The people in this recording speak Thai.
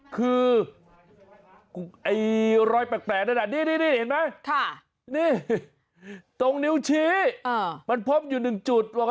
คือไอ้รอยแปลกนี่เห็นไหมตรงนิ้วชี้มันพบอยู่หนึ่งจุด